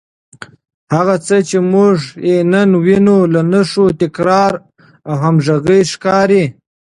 هغه څه چې موږ یې نن وینو، له نښو، تکرار او همغږۍ ښکاري